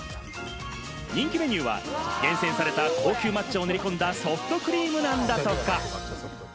人気メニューは厳選された高級抹茶を練り込んだソフトクリームなんだとか。